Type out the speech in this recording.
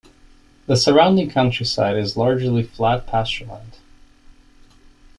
The surrounding countryside is largely flat pastureland.